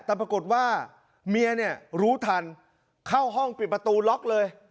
แต่ปรากฏว่าเมียเนี่ยรู้ทันเข้าห้องปิดประตูล็อกเลย